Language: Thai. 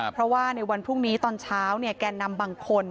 เพราะว่าในวันพรุ่งนี้ตอนเช้าแก่นำบางคน